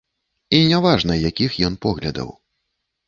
І няважна, якіх ён поглядаў.